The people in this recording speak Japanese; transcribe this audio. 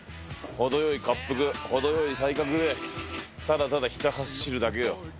程よい恰幅、程よい体格で、ただただひた走るだけよ。